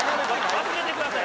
忘れてください